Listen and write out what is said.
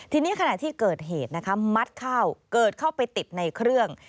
ทีนี้ขณะที่เกิดเหตุนะคะมัดข้าวเกิดเข้าไปติดในเครื่อง